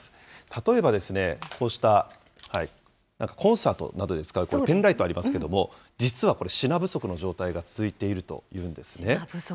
例えばですね、こうした、なんかコンサートなどで使うペンライトありますけれども、実はこれ、品不足の状態が続いているというんですね。